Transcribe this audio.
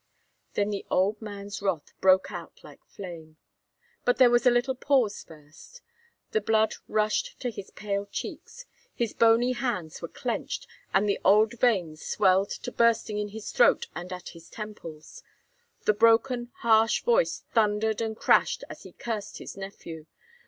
Then the old man's wrath broke out like flame. But there was a little pause first. The blood rushed to his pale cheeks, his bony hands were clenched, and the old veins swelled to bursting in his throat and at his temples. The broken, harsh voice thundered and crashed as he cursed his nephew.